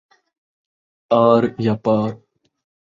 R یا پار